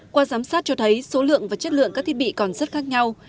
qua giám sát cho thấy số lượng và chất lượng các thiết bị còn rất khác nhau